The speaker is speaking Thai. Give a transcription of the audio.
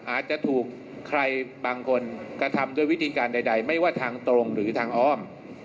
อาจจะถูกใครบางคนกระทำด้วยวิธีการใดไม่ว่าทางตรงหรือทางอ้อม